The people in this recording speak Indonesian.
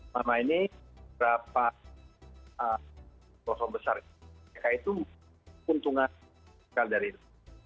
pertama ini berapa kosong besar mereka itu untungan dari itu